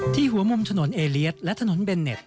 หัวมุมถนนเอเลียสและถนนเบนเน็ต